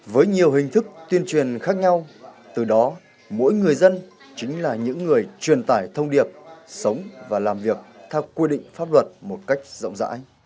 với nhiều hình thức tuyên truyền khác nhau từ đó mỗi người dân chính là những người truyền tải thông điệp sống và làm việc theo quy định pháp luật một cách rộng rãi